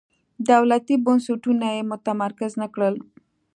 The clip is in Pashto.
دولتي بنسټونه یې متمرکز نه کړل.